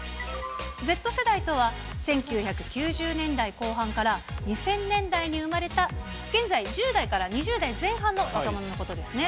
Ｚ世代とは、１９９０年代後半から、２０００年代に生まれた現在１０代から２０代前半の若者のことですね。